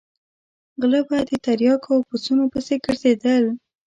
غله به د تریاکو او پسونو پسې ګرځېدل.